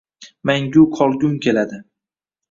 Mangu qolgum keladi.